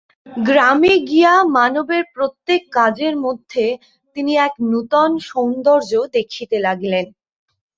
গ্রামে গিয়া মানবের প্রত্যেক কাজের মধ্যে তিনি এক নূতন সৌন্দর্য দেখিতে লাগিলেন।